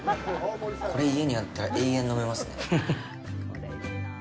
これ家にあったら永遠飲めますね。